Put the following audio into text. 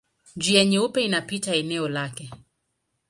Njia Nyeupe inapita eneo lake.